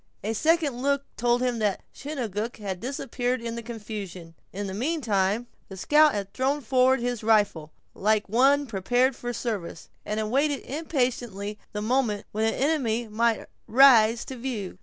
A second look told him that Chingachgook had disappeared in the confusion. In the meantime, the scout had thrown forward his rifle, like one prepared for service, and awaited impatiently the moment when an enemy might rise to view.